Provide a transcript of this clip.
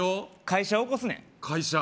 会社起こすねん会社